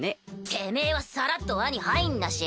てめぇはさらっと輪に入んなし。